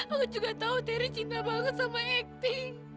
aku juga tau terry cinta banget sama ekti